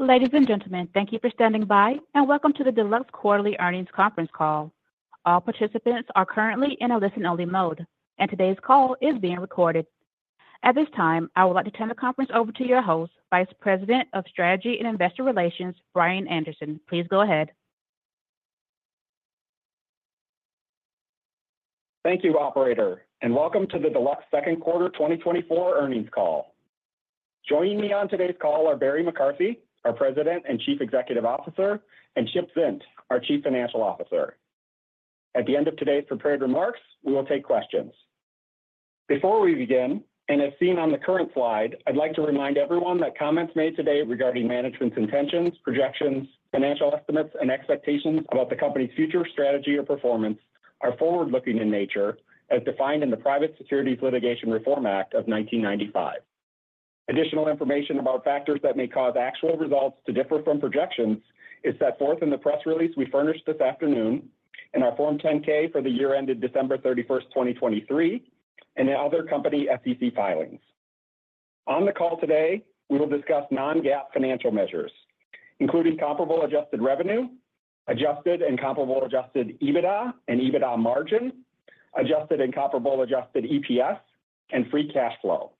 Ladies and gentlemen, thank you for standing by, and Welcome to the Deluxe Quarterly Earnings Conference Call. All participants are currently in a listen-only mode, and today's call is being recorded. At this time, I would like to turn the conference over to your host, Vice President of Strategy and Investor Relations, Brian Anderson. Please go ahead. Thank you, operator, and welcome to the Deluxe Second Quarter 2024 Earnings Call. Joining me on today's call are Barry McCarthy, our President and Chief Executive Officer, and Chip Zint, our Chief Financial Officer. At the end of today's prepared remarks, we will take questions. Before we begin, and as seen on the current slide, I'd like to remind everyone that comments made today regarding management's intentions, projections, financial estimates, and expectations about the company's future strategy or performance are forward-looking in nature, as defined in the Private Securities Litigation Reform Act of 1995. Additional information about factors that may cause actual results to differ from projections is set forth in the press release we furnished this afternoon, in our Form 10-K for the year ended December 31, 2023, and in other company SEC filings. On the call today, we will discuss non-GAAP financial measures, including comparable adjusted revenue, adjusted and comparable adjusted EBITDA and EBITDA margin, adjusted and comparable adjusted EPS, and free cash flow.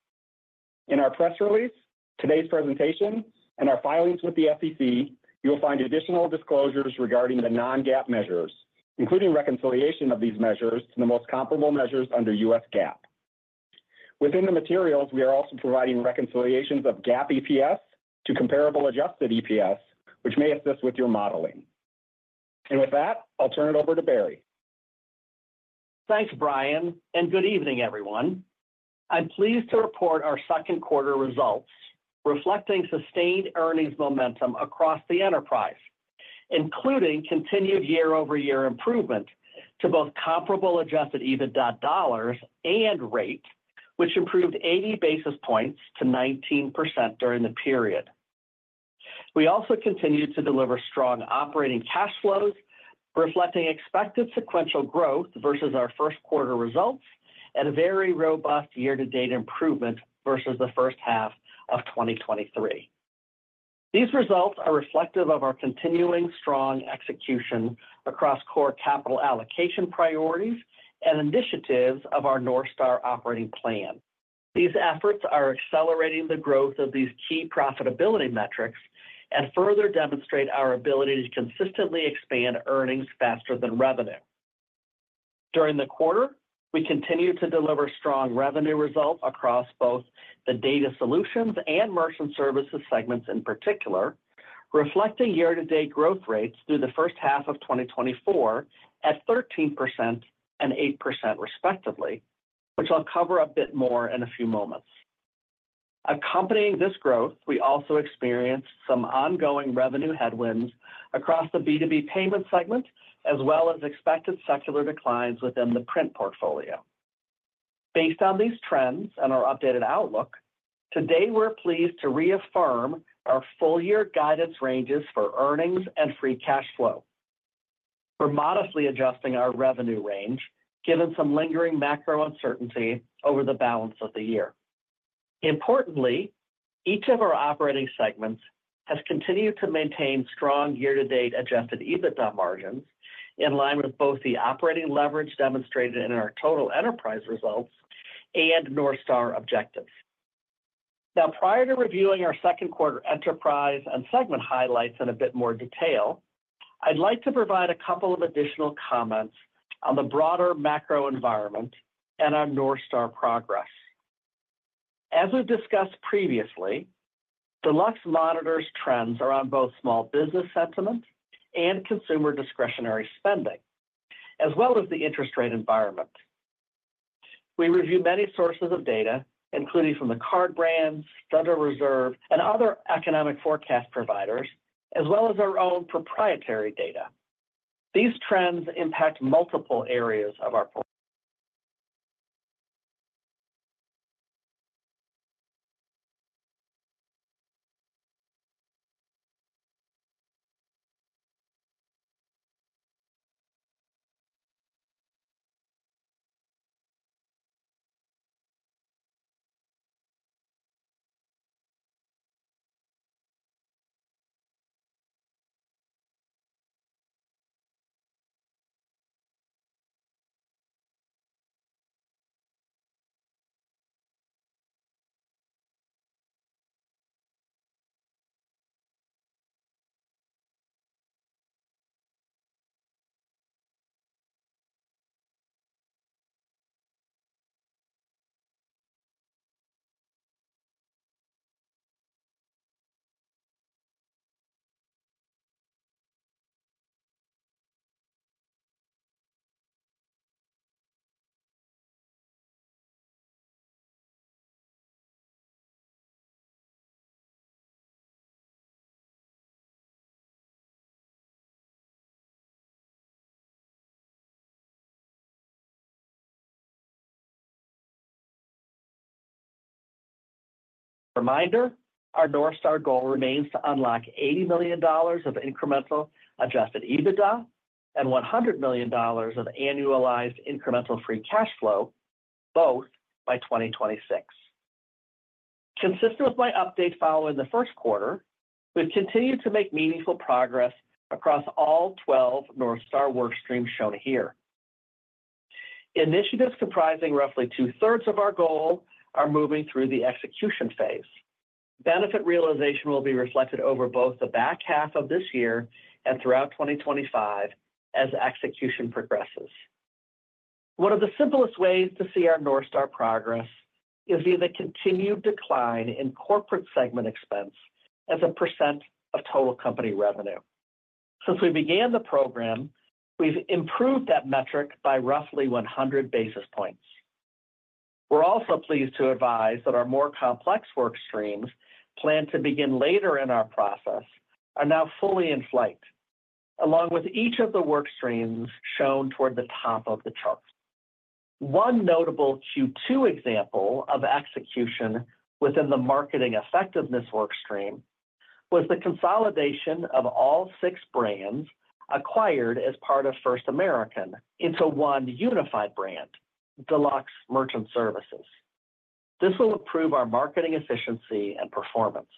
In our press release, today's presentation, and our filings with the SEC, you will find additional disclosures regarding the non-GAAP measures, including reconciliation of these measures to the most comparable measures under U.S. GAAP. Within the materials, we are also providing reconciliations of GAAP EPS to comparable adjusted EPS, which may assist with your modeling. With that, I'll turn it over to Barry. Thanks, Brian, and good evening, everyone. I'm pleased to report our second quarter results, reflecting sustained earnings momentum across the enterprise, including continued year-over-year improvement to both comparable adjusted EBITDA dollars and rate, which improved 80 basis points to 19% during the period. We also continued to deliver strong operating cash flows, reflecting expected sequential growth versus our first quarter results and a very robust year-to-date improvement versus the first half of 2023. These results are reflective of our continuing strong execution across core capital allocation priorities and initiatives of our North Star operating plan. These efforts are accelerating the growth of these key profitability metrics and further demonstrate our ability to consistently expand earnings faster than revenue. During the quarter, we continued to deliver strong revenue results across both the data solutions and merchant services segments in particular, reflecting year-to-date growth rates through the first half of 2024 at 13% and 8%, respectively, which I'll cover a bit more in a few moments. Accompanying this growth, we also experienced some ongoing revenue headwinds across the B2B payment segment, as well as expected secular declines within the print portfolio. Based on these trends and our updated outlook, today, we're pleased to reaffirm our full-year guidance ranges for earnings and free cash flow. We're modestly adjusting our revenue range, given some lingering macro uncertainty over the balance of the year. Importantly, each of our operating segments has continued to maintain strong year-to-date adjusted EBITDA margins, in line with both the operating leverage demonstrated in our total enterprise results and North Star objectives. Now, prior to reviewing our second quarter enterprise and segment highlights in a bit more detail, I'd like to provide a couple of additional comments on the broader macro environment and on North Star progress. As we've discussed previously, Deluxe monitors trends around both small business sentiment and consumer discretionary spending, as well as the interest rate environment. We review many sources of data, including from the card brands, Federal Reserve, and other economic forecast providers, as well as our own proprietary data. These trends impact multiple areas of our port. Reminder, our North Star goal remains to unlock $80 million of incremental adjusted EBITDA and $100 million of annualized incremental free cash flow... both by 2026. Consistent with my update following the first quarter, we've continued to make meaningful progress across all 12 North Star work streams shown here. Initiatives comprising roughly 2/3 of our goal are moving through the execution phase. Benefit realization will be reflected over both the back half of this year and throughout 2025 as execution progresses. One of the simplest ways to see our North Star progress is via the continued decline in corporate segment expense as a percent of total company revenue. Since we began the program, we've improved that metric by roughly 100 basis points. We're also pleased to advise that our more complex work streams, planned to begin later in our process, are now fully in flight, along with each of the work streams shown toward the top of the chart. One notable Q2 example of execution within the marketing effectiveness work stream was the consolidation of all six brands acquired as part of First American into one unified brand, Deluxe Merchant Services. This will improve our marketing efficiency and performance.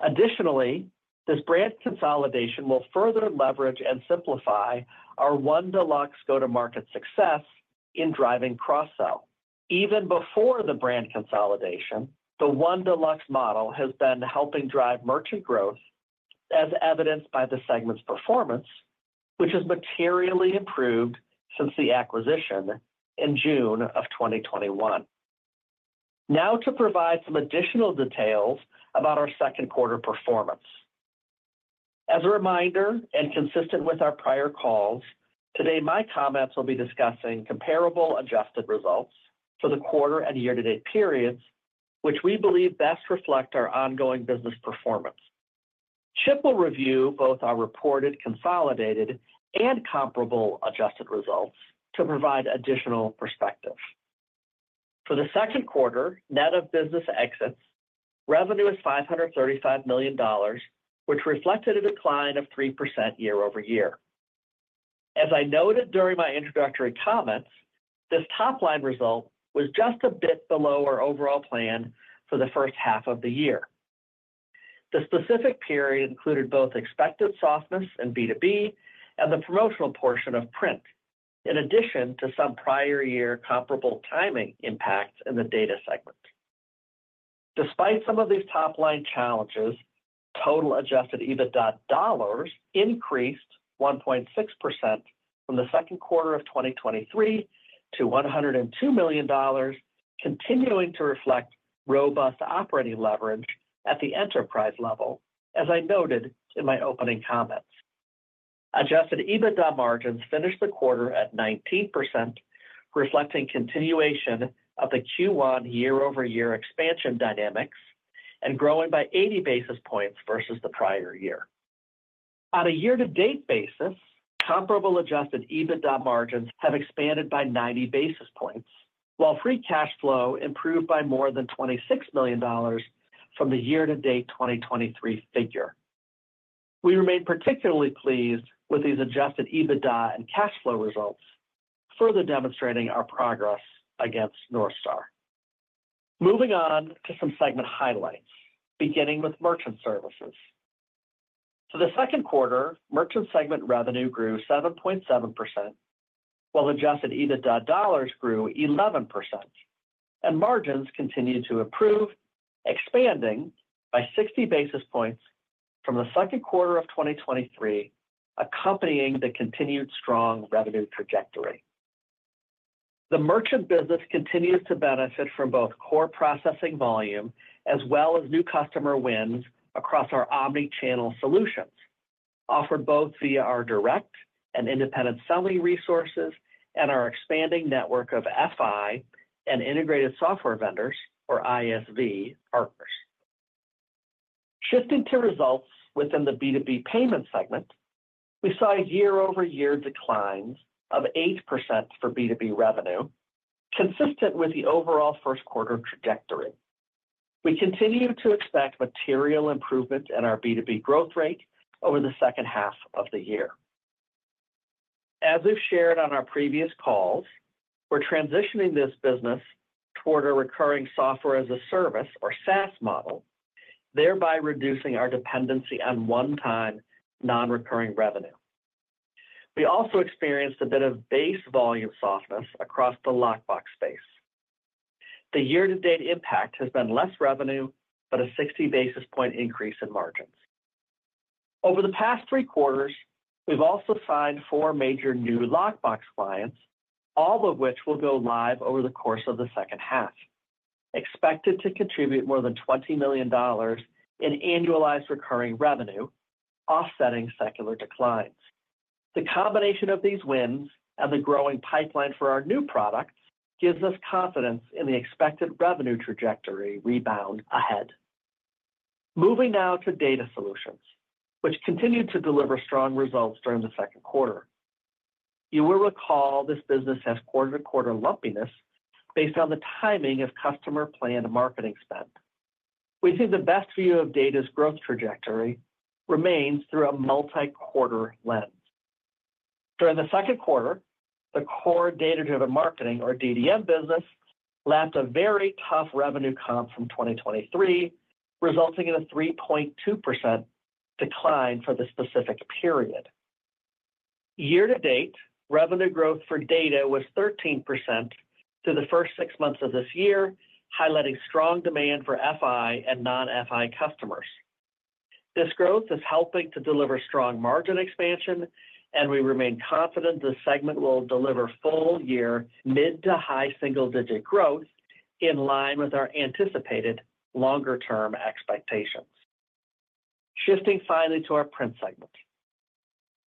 Additionally, this brand consolidation will further leverage and simplify our One Deluxe go-to-market success in driving cross-sell. Even before the brand consolidation, the One Deluxe model has been helping drive merchant growth, as evidenced by the segment's performance, which has materially improved since the acquisition in June of 2021. Now to provide some additional details about our second quarter performance. As a reminder, and consistent with our prior calls, today, my comments will be discussing comparable adjusted results for the quarter and year-to-date periods, which we believe best reflect our ongoing business performance. Chip will review both our reported, consolidated, and comparable adjusted results to provide additional perspective. For the second quarter, net of business exits, revenue is $535 million, which reflected a decline of 3% year-over-year. As I noted during my introductory comments, this top-line result was just a bit below our overall plan for the first half of the year. The specific period included both expected softness in B2B and the promotional portion of print, in addition to some prior year comparable timing impacts in the data segment. Despite some of these top-line challenges, total adjusted EBITDA dollars increased 1.6% from the second quarter of 2023 to $102 million, continuing to reflect robust operating leverage at the enterprise level, as I noted in my opening comments. Adjusted EBITDA margins finished the quarter at 19%, reflecting continuation of the Q1 year-over-year expansion dynamics and growing by 80 basis points versus the prior year. On a year-to-date basis, comparable adjusted EBITDA margins have expanded by 90 basis points, while free cash flow improved by more than $26 million from the year-to-date 2023 figure. We remain particularly pleased with these adjusted EBITDA and cash flow results, further demonstrating our progress against North Star. Moving on to some segment highlights, beginning with merchant services. For the second quarter, merchant segment revenue grew 7.7%, while adjusted EBITDA dollars grew 11%, and margins continued to improve, expanding by 60 basis points from the second quarter of 2023, accompanying the continued strong revenue trajectory. The merchant business continues to benefit from both core processing volume as well as new customer wins across our omni-channel solutions, offered both via our direct and independent selling resources and our expanding network of FI and integrated software vendors, or ISV, partners. Shifting to results within the B2B payment segment, we saw a year-over-year decline of 8% for B2B revenue, consistent with the overall first quarter trajectory. We continue to expect material improvement in our B2B growth rate over the second half of the year. As we've shared on our previous calls, we're transitioning this business toward a recurring software-as-a-service, or SaaS model, thereby reducing our dependency on one-time, non-recurring revenue. We also experienced a bit of base volume softness across the lockbox space. The year-to-date impact has been less revenue, but a 60 basis point increase in margins. Over the past three quarters, we've also signed four major new lockbox clients, all of which will go live over the course of the second half, expected to contribute more than $20 million in annualized recurring revenue, offsetting secular declines. The combination of these wins and the growing pipeline for our new product gives us confidence in the expected revenue trajectory rebound ahead. Moving now to Data Solutions, which continued to deliver strong results during the second quarter. You will recall this business has quarter-to-quarter lumpiness based on the timing of customer planned marketing spend. We see the best view of data's growth trajectory remains through a multi-quarter lens. During the second quarter, the core data-driven marketing, or DDM business, lapped a very tough revenue comp from 2023, resulting in a 3.2% decline for the specific period. Year to date, revenue growth for data was 13% through the first six months of this year, highlighting strong demand for FI and non-FI customers. This growth is helping to deliver strong margin expansion, and we remain confident this segment will deliver full year mid to high single digit growth in line with our anticipated longer term expectations. Shifting finally to our print segment.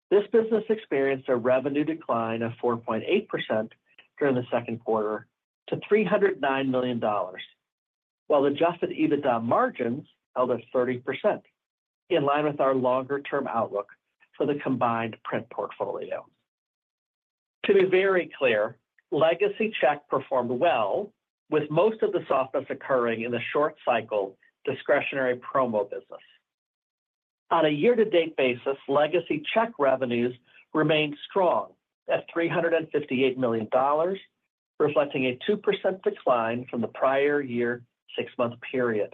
This business experienced a revenue decline of 4.8% during the second quarter to $309 million, while adjusted EBITDA margins held at 30%, in line with our longer term outlook for the combined print portfolio. To be very clear, legacy check performed well, with most of the softness occurring in the short cycle discretionary promo business. On a year-to-date basis, legacy check revenues remained strong at $358 million, reflecting a 2% decline from the prior year six-month period.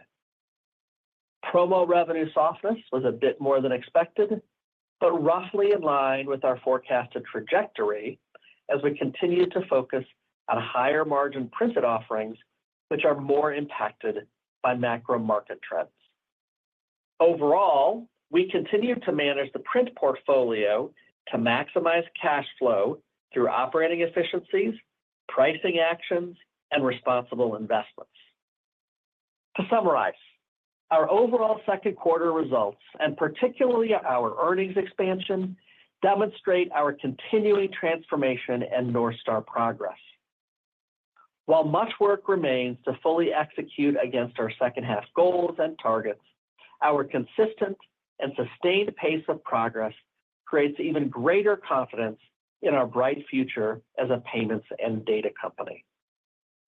Promo revenue softness was a bit more than expected, but roughly in line with our forecasted trajectory as we continue to focus on higher margin printed offerings, which are more impacted by macro market trends. Overall, we continue to manage the print portfolio to maximize cash flow through operating efficiencies, pricing actions, and responsible investments. To summarize, our overall second quarter results, and particularly our earnings expansion, demonstrate our continuing transformation and North Star progress. While much work remains to fully execute against our second half goals and targets, our consistent and sustained pace of progress creates even greater confidence in our bright future as a payments and data company.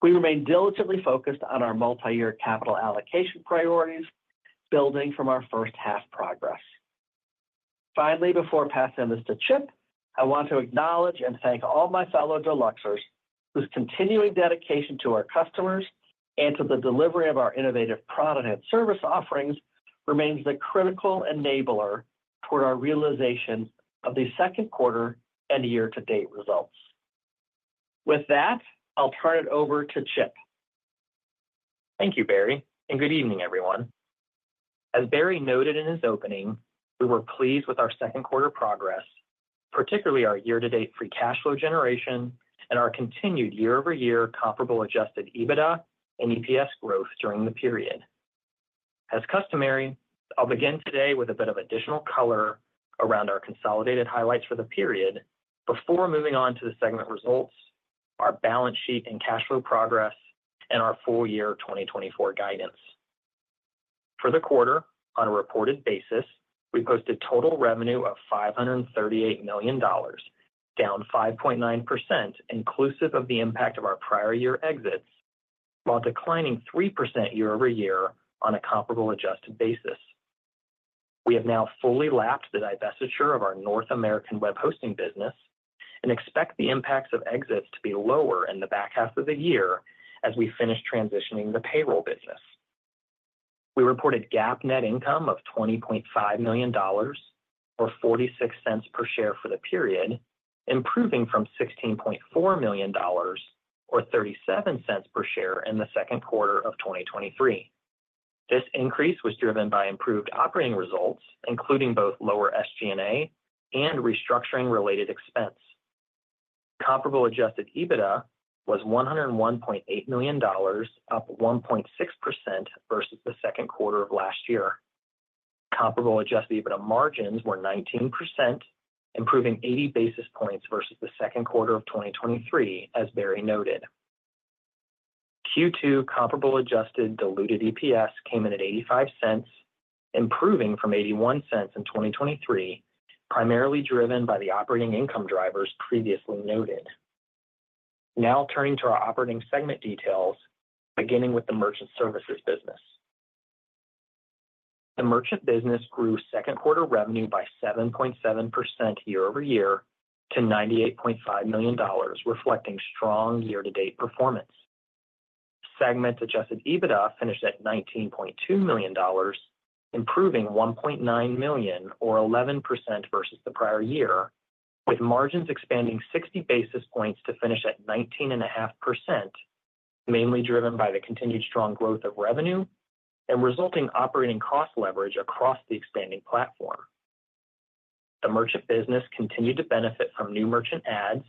We remain diligently focused on our multi-year capital allocation priorities, building from our first half progress. Finally, before passing this to Chip, I want to acknowledge and thank all my fellow Deluxers, whose continuing dedication to our customers and to the delivery of our innovative product and service offerings remains the critical enabler toward our realization of the second quarter and year-to-date results. With that, I'll turn it over to Chip. Thank you, Barry, and good evening, everyone. As Barry noted in his opening, we were pleased with our second quarter progress, particularly our year-to-date free cash flow generation and our continued year-over-year comparable adjusted EBITDA and EPS growth during the period. As customary, I'll begin today with a bit of additional color around our consolidated highlights for the period before moving on to the segment results, our balance sheet and cash flow progress, and our full-year 2024 guidance. For the quarter, on a reported basis, we posted total revenue of $538 million, down 5.9% inclusive of the impact of our prior year exits, while declining 3% year-over-year on a comparable adjusted basis. We have now fully lapped the divestiture of our North American web hosting business and expect the impacts of exits to be lower in the back half of the year as we finish transitioning the payroll business. We reported GAAP net income of $20.5 million, or $0.46 per share for the period, improving from $16.4 million, or $0.37 per share in the second quarter of 2023. This increase was driven by improved operating results, including both lower SG&A and restructuring related expense. Comparable adjusted EBITDA was $101.8 million, up 1.6% versus the second quarter of last year. Comparable adjusted EBITDA margins were 19%, improving 80 basis points versus the second quarter of 2023, as Barry noted. Q2 comparable adjusted diluted EPS came in at $0.85, improving from $0.81 in 2023, primarily driven by the operating income drivers previously noted. Now turning to our operating segment details, beginning with the merchant services business. The merchant business grew second quarter revenue by 7.7% year-over-year to $98.5 million, reflecting strong year-to-date performance. Segment adjusted EBITDA finished at $19.2 million, improving $1.9 million or 11% versus the prior year, with margins expanding 60 basis points to finish at 19.5%, mainly driven by the continued strong growth of revenue and resulting operating cost leverage across the expanding platform. The merchant business continued to benefit from new merchant adds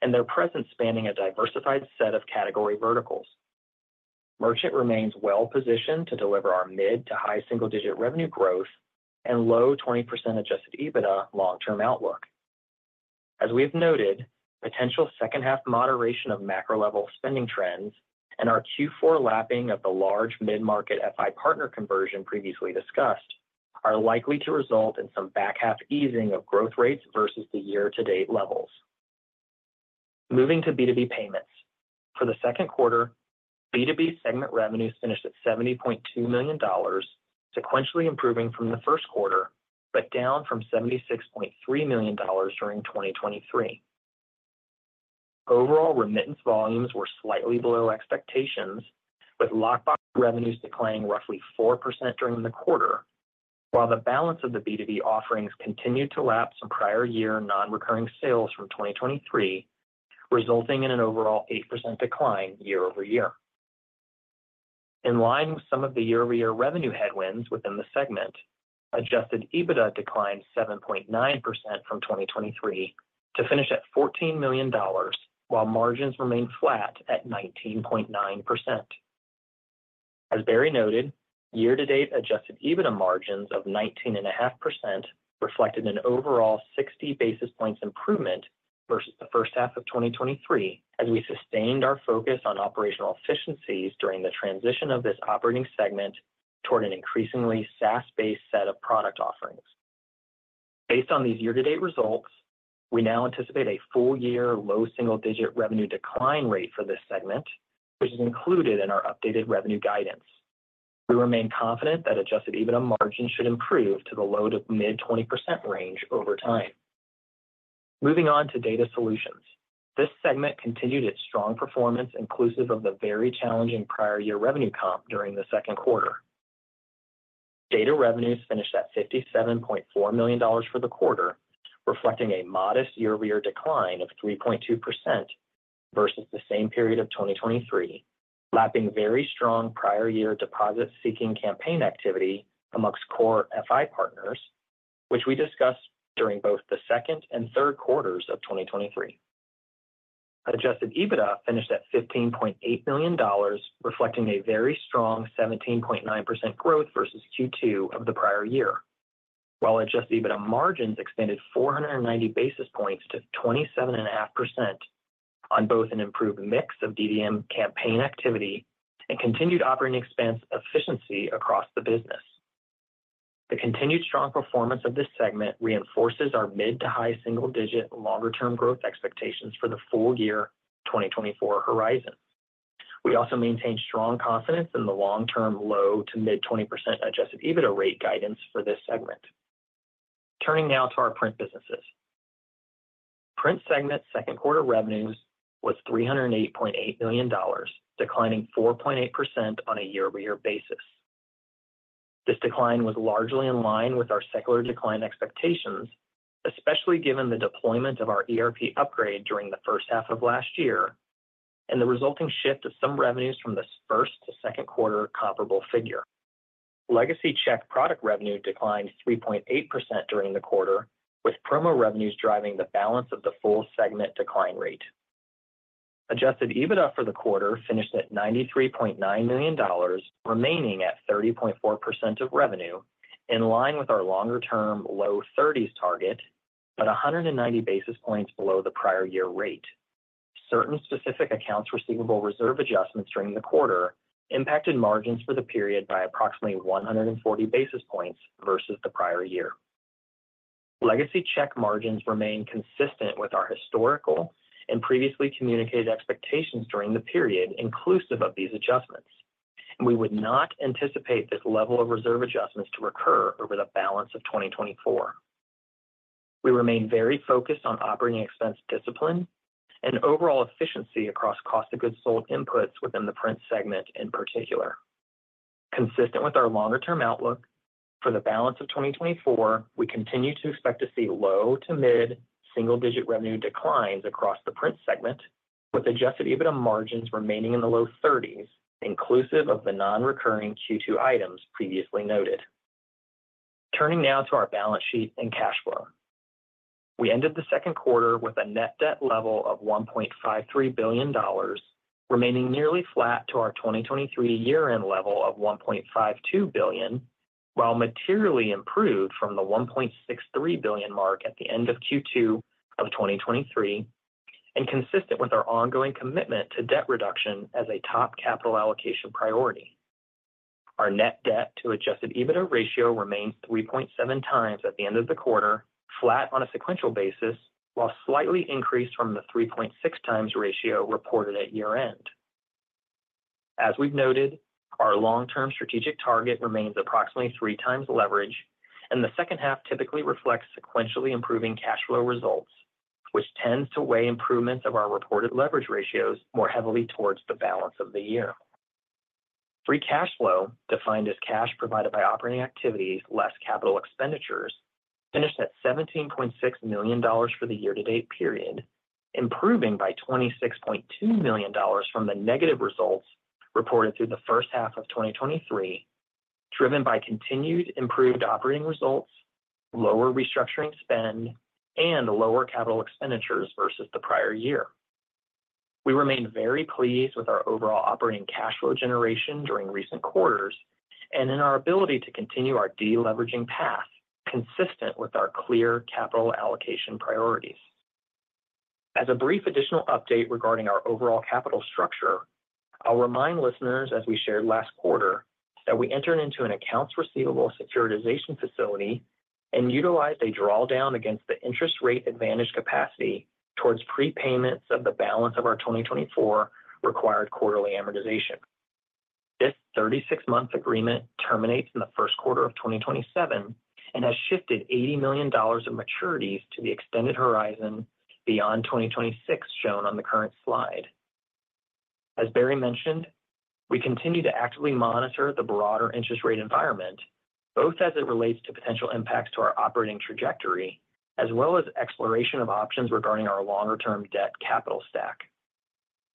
and their presence spanning a diversified set of category verticals. Merchant remains well positioned to deliver our mid- to high single-digit revenue growth and low 20% Adjusted EBITDA long-term outlook. As we've noted, potential second half moderation of macro level spending trends and our Q4 lapping of the large mid-market FI partner conversion previously discussed, are likely to result in some back half easing of growth rates versus the year-to-date levels. Moving to B2B payments. For the second quarter, B2B segment revenue finished at $70.2 million, sequentially improving from the first quarter, but down from $76.3 million during 2023. Overall remittance volumes were slightly below expectations, with lockbox revenues declining roughly 4% during the quarter, while the balance of the B2B offerings continued to lapse in prior year non-recurring sales from 2023, resulting in an overall 8% decline year-over-year. In line with some of the year-over-year revenue headwinds within the segment, Adjusted EBITDA declined 7.9% from 2023 to finish at $14 million, while margins remained flat at 19.9%. As Barry noted, year-to-date Adjusted EBITDA margins of 19.5% reflected an overall 60 basis points improvement versus the first half of 2023, as we sustained our focus on operational efficiencies during the transition of this operating segment toward an increasingly SaaS-based set of product offerings. Based on these year-to-date results, we now anticipate a full year low single-digit revenue decline rate for this segment, which is included in our updated revenue guidance. We remain confident that Adjusted EBITDA margins should improve to the low- to mid-20% range over time. Moving on to Data Solutions. This segment continued its strong performance, inclusive of the very challenging prior year revenue comp during the second quarter. Data revenues finished at $57.4 million for the quarter, reflecting a modest year-over-year decline of 3.2% versus the same period of 2023, lapping very strong prior year deposit-seeking campaign activity amongst core FI partners, which we discussed during both the second and third quarters of 2023. Adjusted EBITDA finished at $15.8 million, reflecting a very strong 17.9% growth versus Q2 of the prior year, while adjusted EBITDA margins expanded 490 basis points to 27.5% on both an improved mix of DDM campaign activity and continued operating expense efficiency across the business. The continued strong performance of this segment reinforces our mid- to high-single-digit longer-term growth expectations for the full-year 2024 horizon. We also maintain strong confidence in the long-term low- to mid-20% Adjusted EBITDA rate guidance for this segment. Turning now to our print businesses. Print segment second-quarter revenues was $308.8 million, declining 4.8% on a year-over-year basis. This decline was largely in line with our secular decline expectations, especially given the deployment of our ERP upgrade during the first half of last year and the resulting shift of some revenues from the first to second quarter comparable figure. Legacy check product revenue declined 3.8% during the quarter, with promo revenues driving the balance of the full segment decline rate. Adjusted EBITDA for the quarter finished at $93.9 million, remaining at 30.4% of revenue, in line with our longer term low thirties target, but 190 basis points below the prior year rate. Certain specific accounts receivable reserve adjustments during the quarter impacted margins for the period by approximately 140 basis points versus the prior year. Legacy Check margins remain consistent with our historical and previously communicated expectations during the period inclusive of these adjustments, and we would not anticipate this level of reserve adjustments to recur over the balance of 2024. We remain very focused on operating expense discipline and overall efficiency across cost of goods sold inputs within the print segment, in particular. Consistent with our longer-term outlook, for the balance of 2024, we continue to expect to see low- to mid-single-digit revenue declines across the print segment, with adjusted EBITDA margins remaining in the low 30s, inclusive of the non-recurring Q2 items previously noted. Turning now to our balance sheet and cash flow. We ended the second quarter with a net debt level of $1.53 billion, remaining nearly flat to our 2023 year-end level of $1.52 billion, while materially improved from the $1.63 billion mark at the end of Q2 of 2023, and consistent with our ongoing commitment to debt reduction as a top capital allocation priority. Our net debt to Adjusted EBITDA ratio remains 3.7x at the end of the quarter, flat on a sequential basis, while slightly increased from the 3.6x ratio reported at year-end. As we've noted, our long-term strategic target remains approximately 3x leverage, and the second half typically reflects sequentially improving cash flow results, which tends to weigh improvements of our reported leverage ratios more heavily towards the balance of the year. Free cash flow, defined as cash provided by operating activities less capital expenditures, finished at $17.6 million for the year-to-date period, improving by $26.2 million from the negative results reported through the first half of 2023, driven by continued improved operating results, lower restructuring spend, and lower capital expenditures versus the prior year. We remain very pleased with our overall operating cash flow generation during recent quarters and in our ability to continue our deleveraging path, consistent with our clear capital allocation priorities. As a brief additional update regarding our overall capital structure. I'll remind listeners, as we shared last quarter, that we entered into an accounts receivable securitization facility and utilized a draw down against the interest rate advantage capacity towards prepayments of the balance of our 2024 required quarterly amortization. This 36-month agreement terminates in the first quarter of 2027 and has shifted $80 million of maturities to the extended horizon beyond 2026, shown on the current slide. As Barry mentioned, we continue to actively monitor the broader interest rate environment, both as it relates to potential impacts to our operating trajectory, as well as exploration of options regarding our longer-term debt capital stack.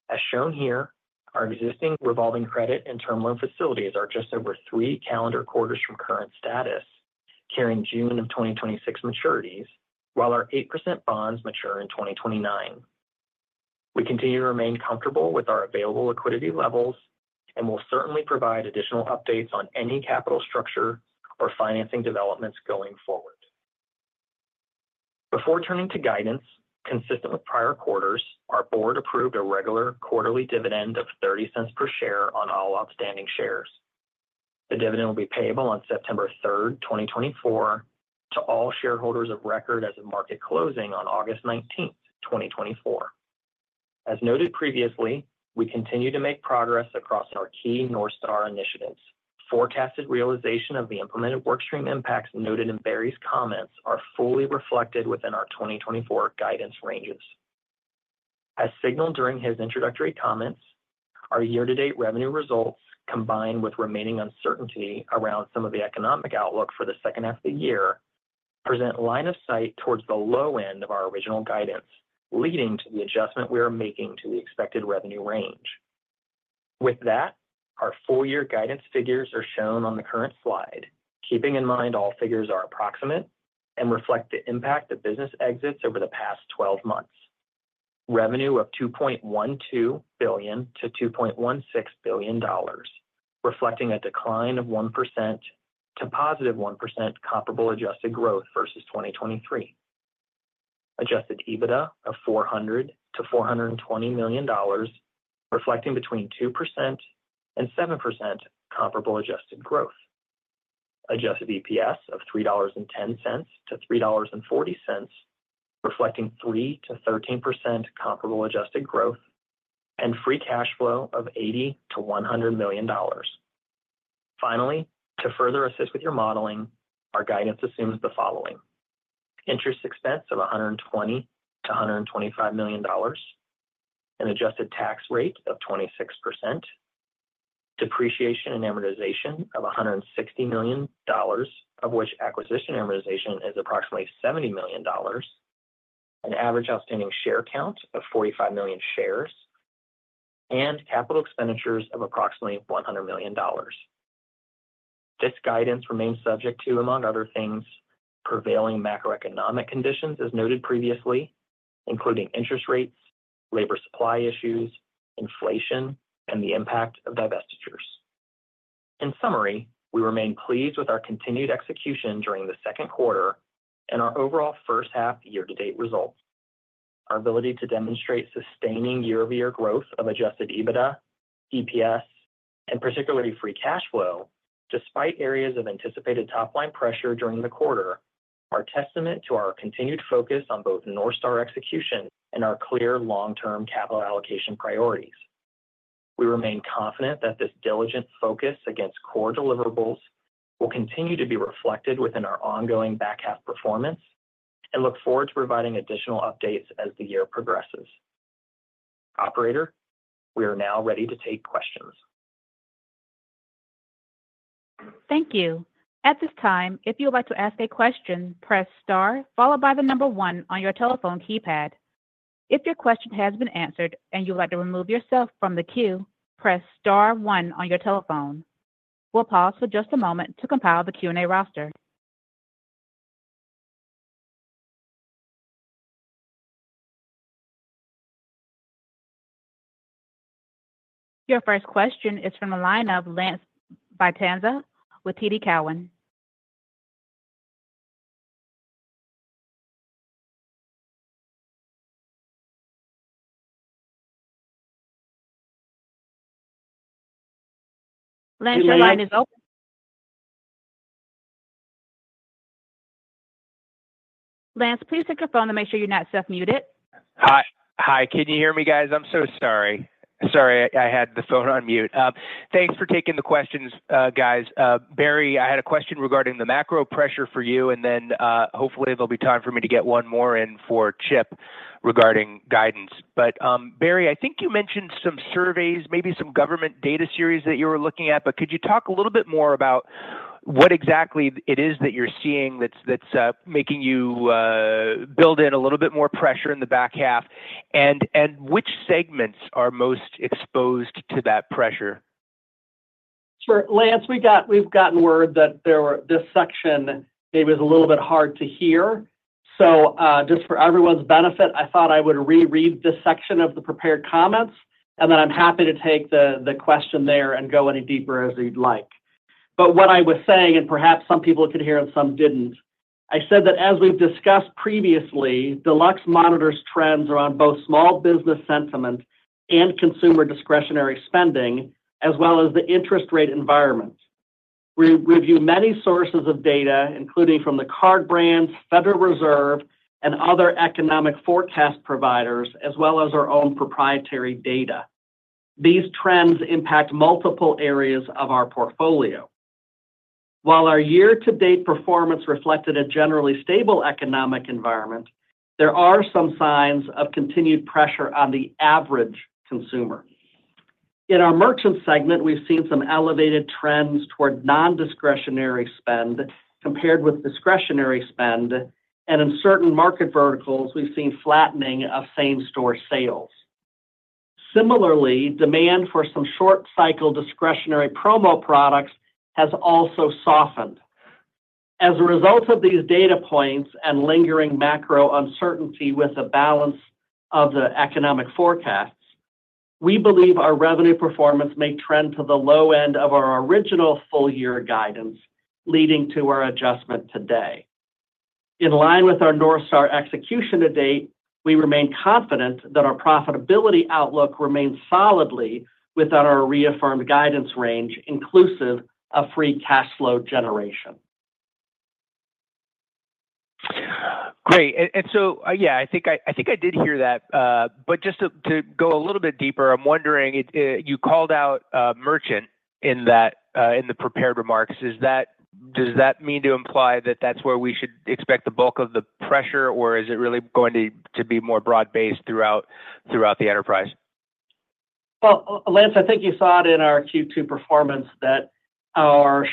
As shown here, our existing revolving credit and term loan facilities are just over three calendar quarters from current status, carrying June 2026 maturities, while our 8% bonds mature in 2029. We continue to remain comfortable with our available liquidity levels, and we'll certainly provide additional updates on any capital structure or financing developments going forward. Before turning to guidance, consistent with prior quarters, our board approved a regular quarterly dividend of $0.30 per share on all outstanding shares. The dividend will be payable on September 3rd, 2024, to all shareholders of record as of market closing on August 19th, 2024. As noted previously, we continue to make progress across our key North Star initiatives. Forecasted realization of the implemented work stream impacts noted in Barry's comments are fully reflected within our 2024 guidance ranges. As signaled during his introductory comments, our year-to-date revenue results, combined with remaining uncertainty around some of the economic outlook for the second half of the year, present line of sight towards the low end of our original guidance, leading to the adjustment we are making to the expected revenue range. With that, our full year guidance figures are shown on the current slide. Keeping in mind all figures are approximate and reflect the impact of business exits over the past 12 months. Revenue of $2.12 billion-$2.16 billion, reflecting a decline of 1% to +1% comparable adjusted growth versus 2023. Adjusted EBITDA of $400 million-$420 million, reflecting between 2% and 7% comparable adjusted growth. Adjusted EPS of $3.10-$3.40, reflecting 3%-13% comparable adjusted growth, and free cash flow of $80 million-$100 million. Finally, to further assist with your modeling, our guidance assumes the following: interest expense of $120 million-$125 million, an adjusted tax rate of 26%, depreciation and amortization of $160 million, of which acquisition amortization is approximately $70 million, an average outstanding share count of 45 million shares, and capital expenditures of approximately $100 million. This guidance remains subject to, among other things, prevailing macroeconomic conditions as noted previously, including interest rates, labor supply issues, inflation, and the impact of divestitures. In summary, we remain pleased with our continued execution during the second quarter and our overall first half year-to-date results. Our ability to demonstrate sustaining year-over-year growth of Adjusted EBITDA, EPS, and particularly free cash flow, despite areas of anticipated top-line pressure during the quarter, are testament to our continued focus on both North Star execution and our clear long-term capital allocation priorities. We remain confident that this diligent focus against core deliverables will continue to be reflected within our ongoing back half performance and look forward to providing additional updates as the year progresses. Operator, we are now ready to take questions. Thank you. At this time, if you would like to ask a question, press star followed by the number one on your telephone keypad. If your question has been answered and you would like to remove yourself from the queue, press star one on your telephone. We'll pause for just a moment to compile the Q&A roster. Your first question is from the line of Lance Vitanza with TD Cowen. Lance, your line is open. Lance, please pick up your phone to make sure you're not still muted. Hi. Hi, can you hear me, guys? I'm so sorry. Sorry, I had the phone on mute. Thanks for taking the questions, guys. Barry, I had a question regarding the macro pressure for you, and then, hopefully, there'll be time for me to get one more in for Chip regarding guidance. But, Barry, I think you mentioned some surveys, maybe some government data series that you were looking at, but could you talk a little bit more about what exactly it is that you're seeing that's making you build in a little bit more pressure in the back half? And, which segments are most exposed to that pressure? Sure. Lance, we got-- we've gotten word that there were... this section maybe is a little bit hard to hear. So, just for everyone's benefit, I thought I would reread this section of the prepared comments, and then I'm happy to take the question there and go any deeper as you'd like. But what I was saying, and perhaps some people could hear and some didn't, I said that as we've discussed previously, Deluxe monitors trends around both small business sentiment and consumer discretionary spending, as well as the interest rate environment. We review many sources of data, including from the card brands, Federal Reserve, and other economic forecast providers, as well as our own proprietary data. These trends impact multiple areas of our portfolio. While our year-to-date performance reflected a generally stable economic environment, there are some signs of continued pressure on the average consumer. In our merchant segment, we've seen some elevated trends toward nondiscretionary spend compared with discretionary spend, and in certain market verticals, we've seen flattening of same-store sales. Similarly, demand for some short-cycle discretionary promo products has also softened. As a result of these data points and lingering macro uncertainty with the balance of the economic forecasts, we believe our revenue performance may trend to the low end of our original full year guidance, leading to our adjustment today. In line with our North Star execution to date, we remain confident that our profitability outlook remains solidly within our reaffirmed guidance range, inclusive of free cash flow generation. Great. And so, yeah, I think I did hear that. But just to go a little bit deeper, I'm wondering you called out merchant in that in the prepared remarks. Does that mean to imply that that's where we should expect the bulk of the pressure, or is it really going to be more broad-based throughout the enterprise? Well, Lance, I think you saw it in our Q2 performance that our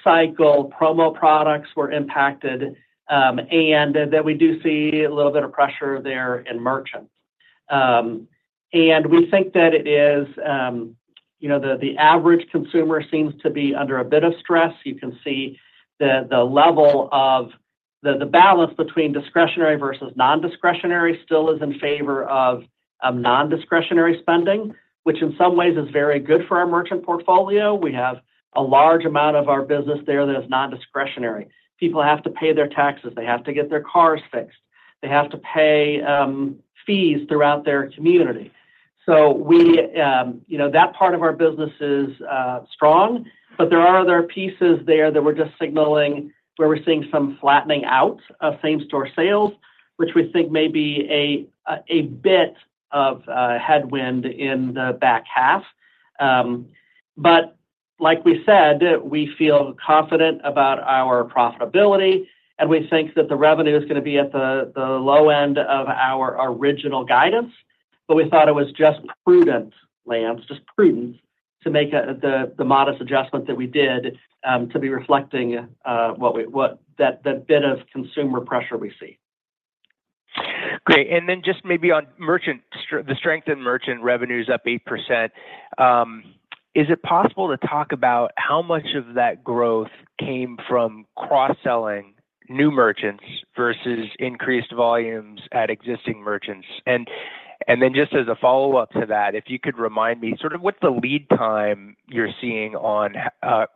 short-cycle promo products were impacted, and that we do see a little bit of pressure there in merchant. And we think that it is, you know, the average consumer seems to be under a bit of stress. You can see the level of the balance between discretionary versus nondiscretionary still is in favor of nondiscretionary spending, which in some ways is very good for our merchant portfolio. We have a large amount of our business there that is nondiscretionary. People have to pay their taxes, they have to get their cars fixed, they have to pay fees throughout their community. So we, you know, that part of our business is strong, but there are other pieces there that we're just signaling where we're seeing some flattening out of same-store sales, which we think may be a bit of headwind in the back half. But like we said, we feel confident about our profitability, and we think that the revenue is gonna be at the low end of our original guidance, but we thought it was just prudent, Lance, just prudent to make the modest adjustment that we did, to be reflecting what... that, the bit of consumer pressure we see. Great. And then just maybe on merchant services, the strength in merchant revenues up 8%. Is it possible to talk about how much of that growth came from cross-selling new merchants versus increased volumes at existing merchants? And then just as a follow-up to that, if you could remind me, sort of what's the lead time you're seeing on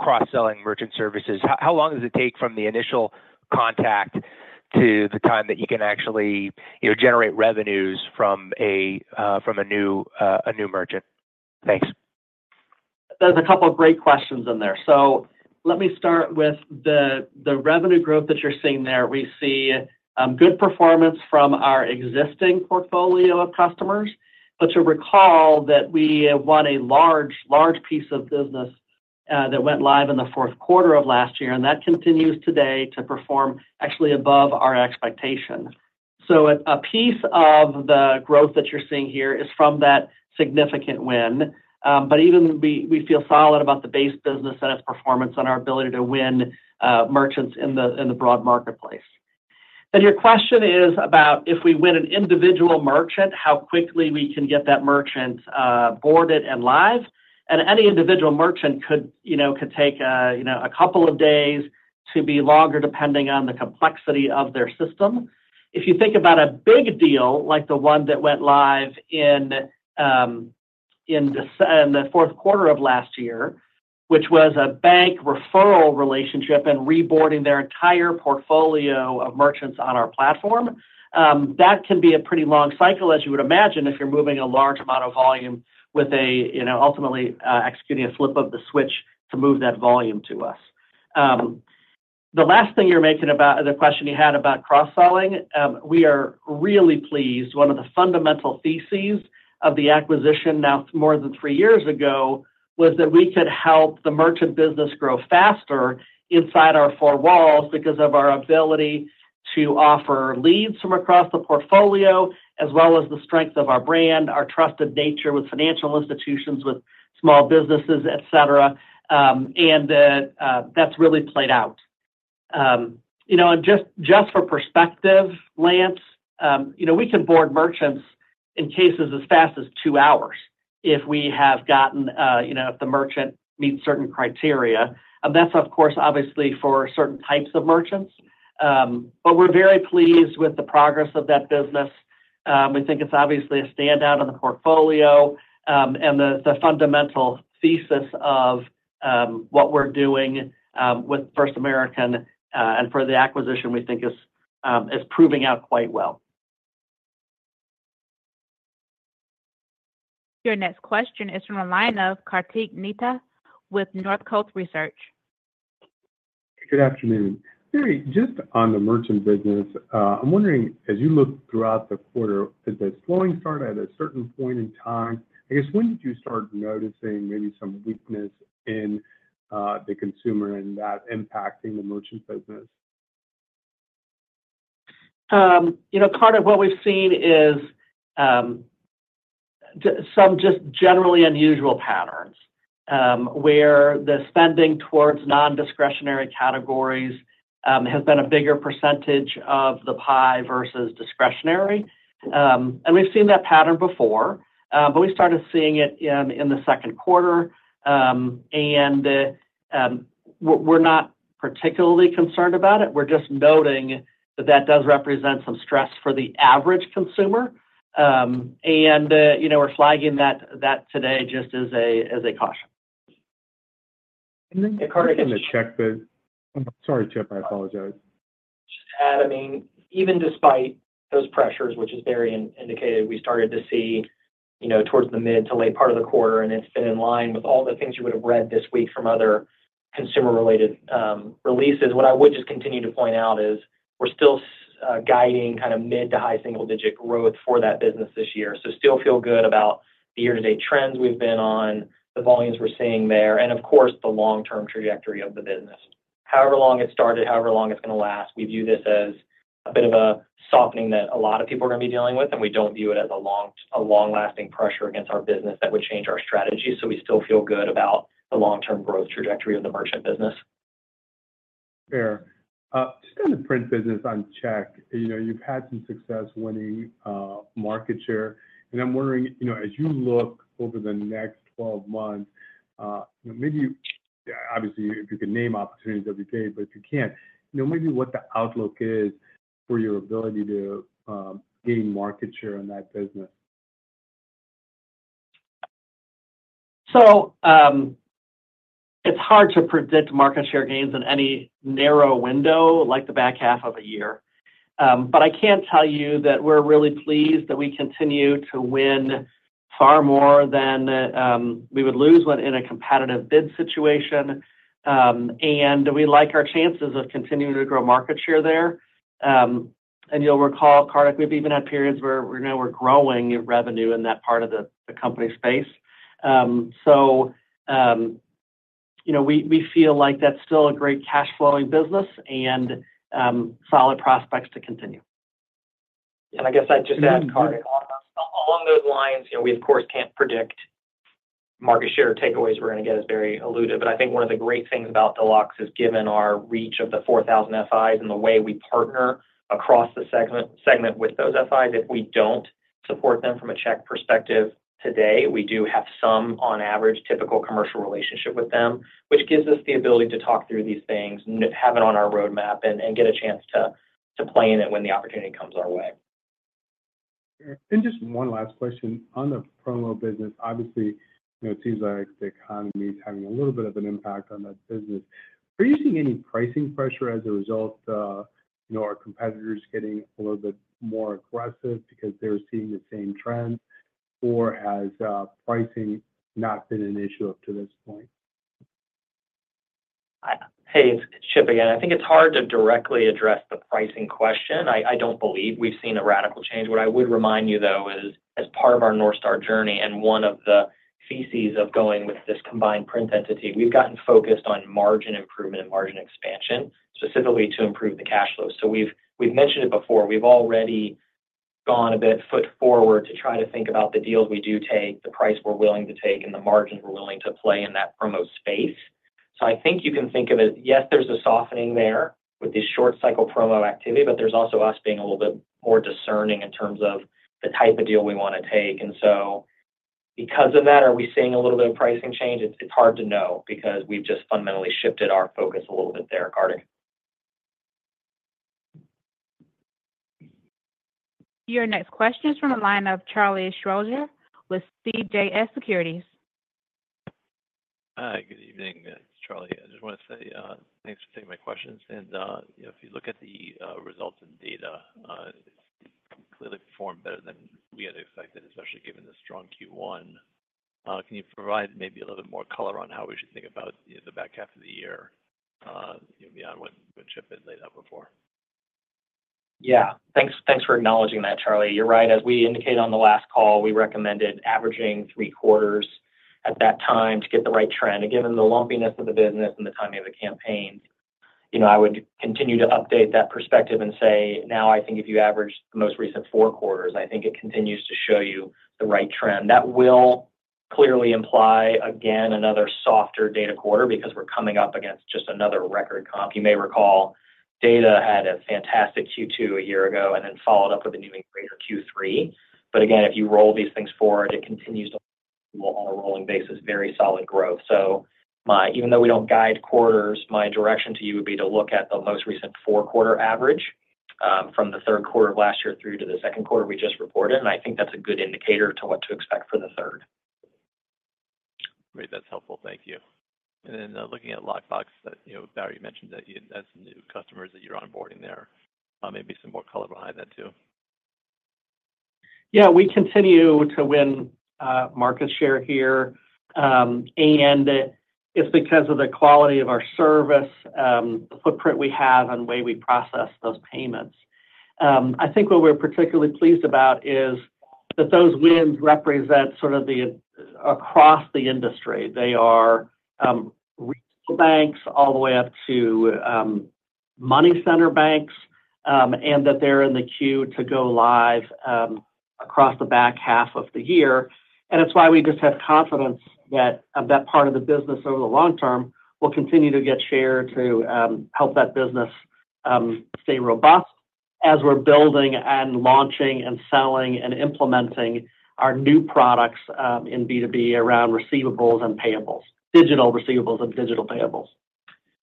cross-selling merchant services? How long does it take from the initial contact to the time that you can actually, you know, generate revenues from a new merchant? Thanks. There's a couple of great questions in there. So let me start with the revenue growth that you're seeing there. We see good performance from our existing portfolio of customers. But to recall that we won a large piece of business that went live in the fourth quarter of last year, and that continues today to perform actually above our expectations. So a piece of the growth that you're seeing here is from that significant win. But even we feel solid about the base business and its performance and our ability to win merchants in the broad marketplace. But your question is about if we win an individual merchant, how quickly we can get that merchant boarded and live. Any individual merchant could, you know, could take a couple of days to be longer, depending on the complexity of their system. If you think about a big deal, like the one that went live in the fourth quarter of last year, which was a bank referral relationship and reboarding their entire portfolio of merchants on our platform, that can be a pretty long cycle, as you would imagine, if you're moving a large amount of volume with a, you know, ultimately, executing a flip of the switch to move that volume to us. The last thing you're making about the question you had about cross-selling, we are really pleased. One of the fundamental theses of the acquisition, now more than three years ago, was that we could help the merchant business grow faster inside our four walls because of our ability to offer leads from across the portfolio, as well as the strength of our brand, our trusted nature with financial institutions, with small businesses, et cetera, and that's really played out. You know, and just for perspective, Lance, you know, we can board merchants in cases as fast as two hours if we have gotten, you know, if the merchant meets certain criteria. And that's, of course, obviously for certain types of merchants. But we're very pleased with the progress of that business. We think it's obviously a standout in the portfolio, and the fundamental thesis of what we're doing with First American and for the acquisition, we think is proving out quite well. Your next question is from the line of Kartik Mehta with Northcoast Research. Good afternoon. Barry, just on the merchant business, I'm wondering, as you look throughout the quarter, did this slowing start at a certain point in time? I guess, when did you start noticing maybe some weakness in the consumer and that impacting the merchant business? You know, Kartik, what we've seen is some just generally unusual patterns where the spending towards non-discretionary categories has been a bigger percentage of the pie versus discretionary. And we've seen that pattern before, but we started seeing it in the second quarter. And we're not particularly concerned about it. We're just noting that that does represent some stress for the average consumer. And, you know, we're flagging that today just as a caution. And then, Kartik, I'm gonna check the... Sorry, Chip. I apologize. Just to add, I mean, even despite those pressures, which as Barry indicated, we started to see, you know, towards the mid to late part of the quarter, and it's been in line with all the things you would have read this week from other consumer-related releases. What I would just continue to point out is, we're still guiding kind of mid to high single-digit growth for that business this year. So still feel good about the year-to-date trends we've been on, the volumes we're seeing there, and of course, the long-term trajectory of the business. However long it started, however long it's gonna last, we view this as a bit of a softening that a lot of people are gonna be dealing with, and we don't view it as a long-lasting pressure against our business that would change our strategy. So we still feel good about the long-term growth trajectory of the merchant business. Fair. Just on the print business on check, you know, you've had some success winning market share, and I'm wondering, you know, as you look over the next 12 months, maybe, obviously, if you could name opportunities that would be great, but if you can't, you know, maybe what the outlook is for your ability to gain market share in that business? So, it's hard to predict market share gains in any narrow window, like the back half of a year. But I can tell you that we're really pleased that we continue to win far more than we would lose when in a competitive bid situation. And we like our chances of continuing to grow market share there. And you'll recall, Kartik, we've even had periods where, you know, we're growing revenue in that part of the company space. So, you know, we feel like that's still a great cash flowing business and solid prospects to continue. I guess I'd just add, Kartik, along those lines, you know, we of course can't predict market share takeaways we're going to get, as Barry alluded. But I think one of the great things about Deluxe is given our reach of the 4,000 FIs and the way we partner across the segment with those FIs, if we don't support them from a check perspective today, we do have some, on average, typical commercial relationship with them, which gives us the ability to talk through these things and have it on our roadmap and get a chance to play in it when the opportunity comes our way. Just one last question. On the promo business, obviously, you know, it seems like the economy is having a little bit of an impact on that business. Are you seeing any pricing pressure as a result of, you know, our competitors getting a little bit more aggressive because they're seeing the same trend? Or has pricing not been an issue up to this point? Hey, it's Chip again. I think it's hard to directly address the pricing question. I, I don't believe we've seen a radical change. What I would remind you, though, is as part of our North Star journey and one of the theses of going with this combined print entity, we've gotten focused on margin improvement and margin expansion, specifically to improve the cash flow. So we've mentioned it before, we've already gone a bit foot forward to try to think about the deals we do take, the price we're willing to take, and the margin we're willing to play in that promo space. So I think you can think of it, yes, there's a softening there with this short cycle promo activity, but there's also us being a little bit more discerning in terms of the type of deal we want to take. And so because of that, are we seeing a little bit of pricing change? It's, it's hard to know because we've just fundamentally shifted our focus a little bit there, Kartik. Your next question is from the line of Charlie Strauzer with CJS Securities. Hi, good evening. It's Charlie. I just want to say, thanks for taking my questions. And, you know, if you look at the results in data, it's completely performed better than we had expected, especially given the strong Q1. Can you provide maybe a little bit more color on how we should think about the back half of the year, beyond what Chip had laid out before? Yeah. Thanks, thanks for acknowledging that, Charlie. You're right. As we indicated on the last call, we recommended averaging three quarters at that time to get the right trend. And given the lumpiness of the business and the timing of the campaign, you know, I would continue to update that perspective and say, now, I think if you average the most recent four quarters, I think it continues to show you the right trend. That will clearly imply, again, another softer data quarter because we're coming up against just another record comp. You may recall, data had a fantastic Q2 a year ago and then followed up with an even greater Q3. But again, if you roll these things forward, it continues to. Well, on a rolling basis, very solid growth. So even though we don't guide quarters, my direction to you would be to look at the most recent four-quarter average, from the third quarter of last year through to the second quarter we just reported, and I think that's a good indicator to what to expect for the third. Great. That's helpful. Thank you. And then, looking at Lockbox, that, you know, Barry mentioned that's the new customers that you're onboarding there. Maybe some more color behind that, too. Yeah, we continue to win market share here. And it's because of the quality of our service, the footprint we have, and the way we process those payments. I think what we're particularly pleased about is that those wins represent sort of the across the industry. They are regional banks all the way up to money center banks, and that they're in the queue to go live across the back half of the year. And it's why we just have confidence that of that part of the business over the long term will continue to get share to help that business stay robust as we're building and launching and selling and implementing our new products in B2B around receivables and payables- digital receivables and digital payables.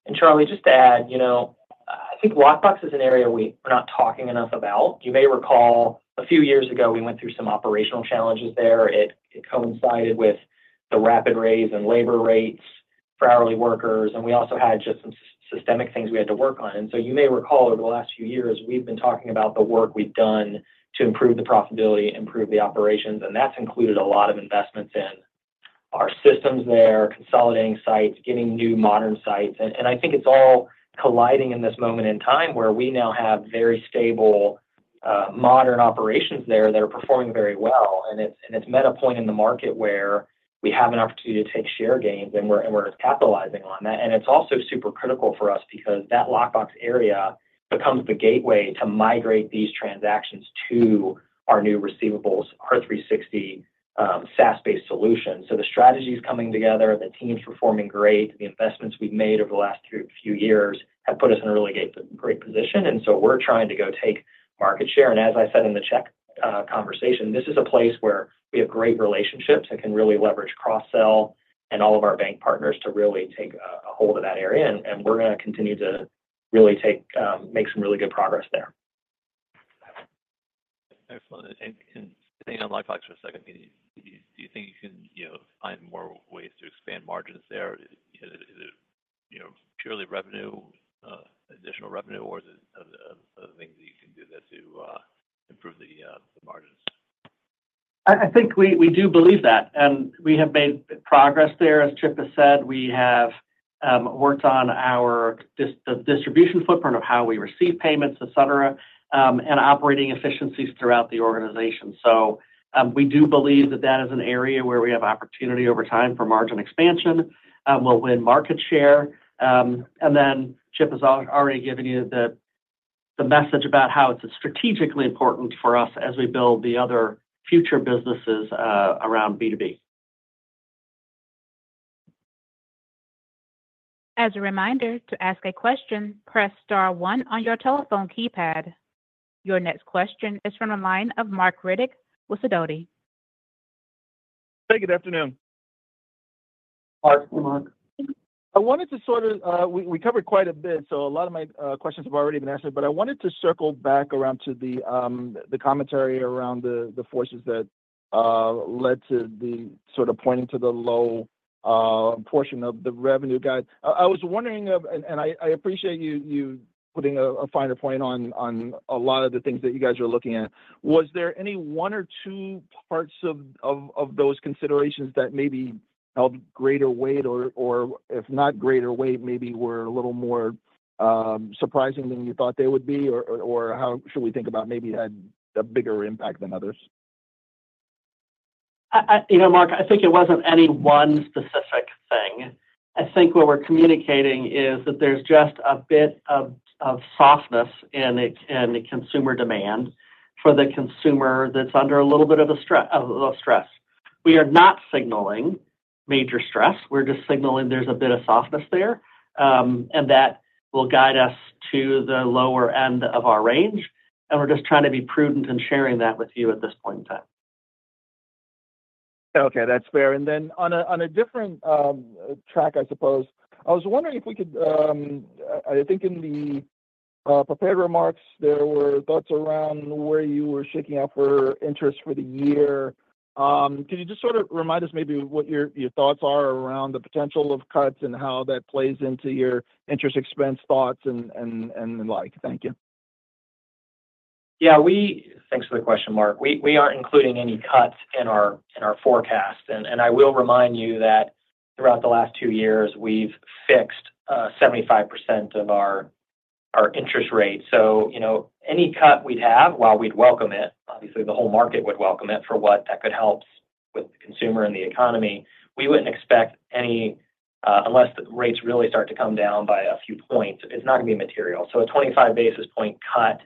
And Charlie, just to add, you know, I think Lockbox is an area we're not talking enough about. You may recall, a few years ago, we went through some operational challenges there. It coincided with the rapid raise in labor rates for hourly workers, and we also had just some systemic things we had to work on. And so you may recall, over the last few years, we've been talking about the work we've done to improve the profitability, improve the operations, and that's included a lot of investments in our systems there, consolidating sites, getting new modern sites. And I think it's all colliding in this moment in time where we now have very stable, modern operations there that are performing very well. And it's met a point in the market where we have an opportunity to take share gains, and we're capitalizing on that. And it's also super critical for us because that Lockbox area becomes the gateway to migrate these transactions to our new Receivables360 SaaS-based solution. So the strategy is coming together, the team's performing great. The investments we've made over the last few, few years have put us in a really great, great position, and so we're trying to go take market share. And as I said in the check conversation, this is a place where we have great relationships and can really leverage cross-sell and all of our bank partners to really take a hold of that area. And we're going to continue to really make some really good progress there. Excellent. And staying on Lockbox for a second, do you think you can, you know, find more ways to expand margins there? Is it, you know, purely revenue, additional revenue, or is it other things that you can do that to improve the margins? I think we do believe that, and we have made progress there. As Chip has said, we have worked on the distribution footprint of how we receive payments, et cetera, and operating efficiencies throughout the organization. So, we do believe that that is an area where we have opportunity over time for margin expansion, we'll win market share. And then Chip has already given you the message about how it's strategically important for us as we build the other future businesses around B2B. As a reminder, to ask a question, press star one on your telephone keypad. Your next question is from the line of Mark Riddick with Sidoti. Hey, good afternoon. Hi, Mark. I wanted to sort of... We covered quite a bit, so a lot of my questions have already been answered, but I wanted to circle back around to the commentary around the forces that led to the sort of pointing to the low portion of the revenue guide. I was wondering of, and I appreciate you putting a finer point on a lot of the things that you guys are looking at. Was there any one or two parts of those considerations that maybe held greater weight or, if not greater weight, maybe were a little more surprising than you thought they would be? Or how should we think about maybe had a bigger impact than others? You know, Mark, I think it wasn't any one specific thing. I think what we're communicating is that there's just a bit of softness in the consumer demand for the consumer that's under a little bit of a stress, a little stress. We are not signaling major stress, we're just signaling there's a bit of softness there, and that will guide us to the lower end of our range, and we're just trying to be prudent in sharing that with you at this point in time. Okay, that's fair. And then on a different track, I suppose, I was wondering if we could. I think in the prepared remarks, there were thoughts around where you were shaking out for interest for the year. Can you just sort of remind us maybe what your thoughts are around the potential of cuts and how that plays into your interest expense thoughts and the like? Thank you. Yeah, thanks for the question, Mark. We aren't including any cuts in our forecast. And I will remind you that throughout the last two years, we've fixed 75% of our interest rates. So, you know, any cut we'd have, while we'd welcome it, obviously, the whole market would welcome it for what that could help with the consumer and the economy. We wouldn't expect any unless the rates really start to come down by a few points. It's not going to be material. So a 25 basis point cut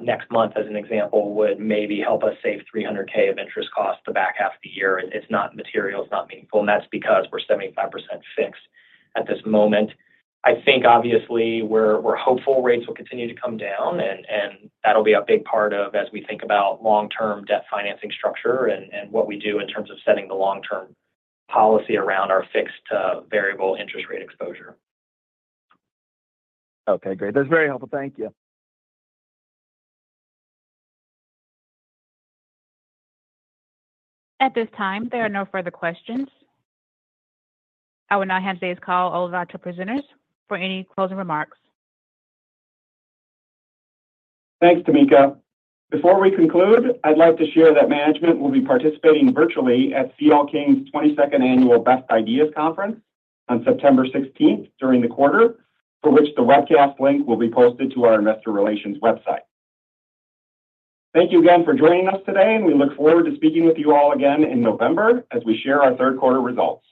next month, as an example, would maybe help us save $300,000 of interest costs the back half of the year. It's not material, it's not meaningful, and that's because we're 75% fixed at this moment. I think obviously we're hopeful rates will continue to come down, and that'll be a big part of as we think about long-term debt financing structure and what we do in terms of setting the long-term policy around our fixed variable interest rate exposure. Okay, great. That's very helpful. Thank you. At this time, there are no further questions. I will now hand today's call over to our presenters for any closing remarks. Thanks, Tamika. Before we conclude, I'd like to share that management will be participating virtually at C.L. King's 22nd Annual Best Ideas Conference on September 16th, during the quarter, for which the webcast link will be posted to our investor relations website. Thank you again for joining us today, and we look forward to speaking with you all again in November as we share our third quarter results.